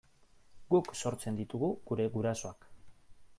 Guk sortzen ditugu gure gurasoak.